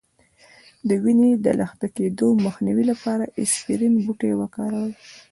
د وینې د لخته کیدو مخنیوي لپاره اسپرین بوټی وکاروئ